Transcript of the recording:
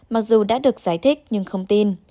mặc dù đã được giải thích nhưng không tin